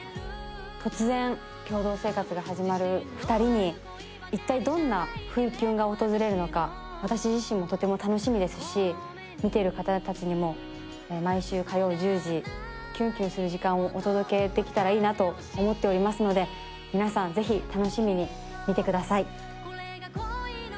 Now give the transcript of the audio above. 突然共同生活が始まる２人に一体どんな不意キュンが訪れるのか私自身もとても楽しみですし見てる方達にも毎週火曜１０時キュンキュンする時間をお届けできたらいいなと思っておりますので皆さんぜひ楽しみに見てください